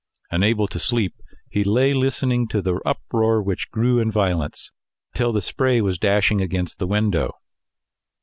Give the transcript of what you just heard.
Unable to sleep, he lay listening to the uproar which grew in violence, till the spray was dashing against the window.